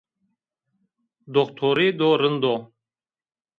Doktorêdo rind o